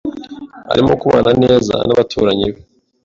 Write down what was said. Arimo kubana neza n’abaturanyi be.